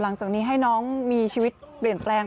หลังจากนี้ให้น้องมีชีวิตเปลี่ยนแปลง